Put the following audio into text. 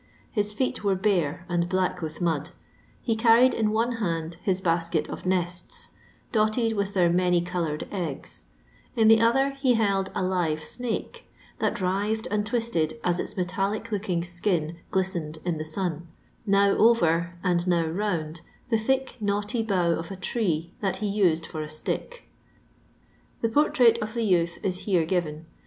His foet were bare and black with mud : he carried in one hand his basket of nesU, dotted with their many coloured eggs; in the other he held a live snake, that writhed and twisted as its metallic looking skin glistened in the sun ; now over, and now round, the thick knotty bough of a tree that he used for a stick. The portrait of the youth is here given.